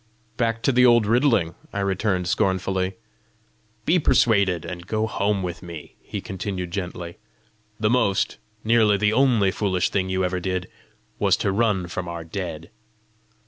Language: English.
"Back to the old riddling!" I returned scornfully. "Be persuaded, and go home with me," he continued gently. "The most nearly the only foolish thing you ever did, was to run from our dead."